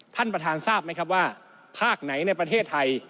ท่านประธานทราบไหมครับว่าภาคไหนในประเทศไทย